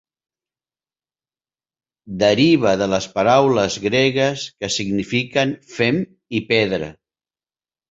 Deriva de les paraules gregues que signifiquen fem i pedra.